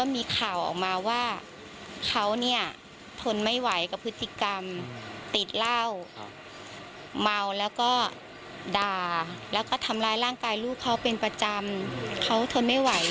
มันไม่ตกลงกัน